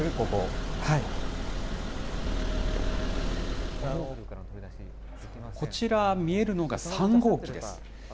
こちら、見えるのが３号機です。